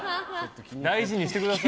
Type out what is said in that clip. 大事にしてください。